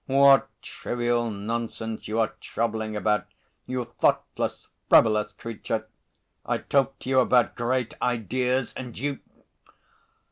"What trivial nonsense you are troubling about, you thoughtless, frivolous creature! I talk to you about great ideas, and you....